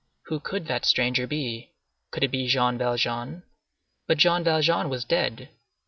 Who could that stranger be? Could it be Jean Valjean? But Jean Valjean was dead.